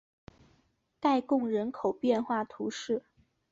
盖贡人口变化图示